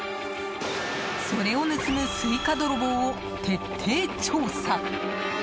それを盗むスイカ泥棒を徹底調査。